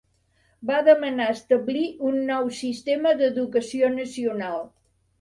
Va demanar establir un nou sistema d'educació nacional.